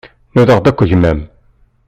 Nudaɣ-d akk agmam.